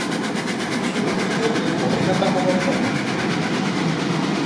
শুরুর দিকে তিনি অভিনেতা হবার স্বপ্ন দেখতেন।